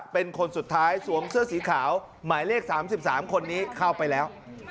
เป็นคนสุดท้ายสวมเสื้อสีขาวหมายเลข๓๓คนนี้เข้าไปแล้ว